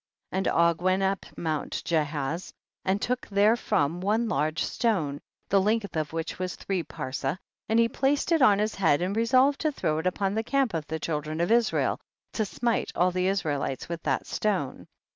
And Og went up mount Ja haz and took therefrom one large stone, the length of which was three parsa, and he placed it on his head, and resolved to throw it upon the camp of the children of Israel, to smite all the Israelites with that stone.